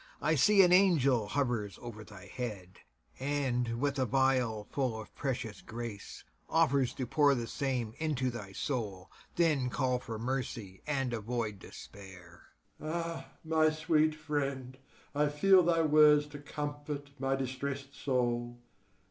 I see an angel hovers o'er thy head, And, with a vial full of precious grace, Offers to pour the same into thy soul: Then call for mercy, and avoid despair. FAUSTUS. Ah, my sweet friend, I feel Thy words to comfort my distressed soul!